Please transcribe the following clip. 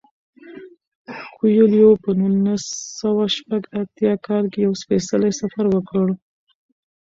کویلیو په نولس سوه شپږ اتیا کال کې یو سپیڅلی سفر وکړ.